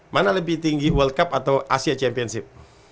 mana lebih tinggi world cup atau asia championship